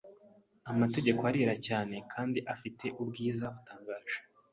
Amategeko arera cyane kandi afite ubwiza butangaje,